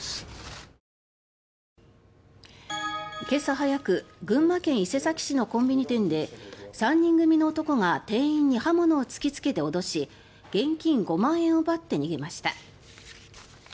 今朝早く群馬県伊勢崎市のコンビニ店で３人組の男が店員に刃物を突きつけて脅し現金５万円を奪って逃げました。